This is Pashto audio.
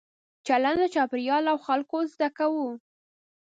چلند له چاپېریال او خلکو زده کوو.